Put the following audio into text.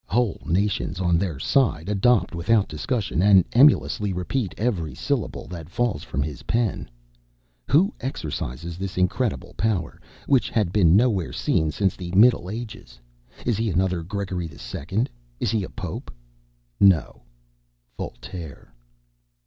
Whole nations, on their side, adopt without discussion, and emulously repeat, every syllable that falls from his pen. Who exercises this incredible power, which had been nowhere seen since the middle ages? Is he another Gregory II.? Is he a Pope? No Voltaire."